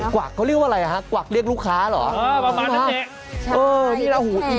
กวักเขาเรียกว่าอะไรอ่ะฮะกวักเรียกลูกค้าเหรอ